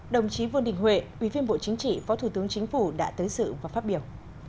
đồng chí vương đình huệ ủy viên bộ chính trị phó thủ tướng chính phủ đã tới sự và phát biểu